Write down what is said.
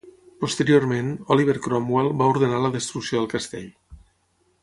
Posteriorment, Oliver Cromwell va ordenar la destrucció del castell.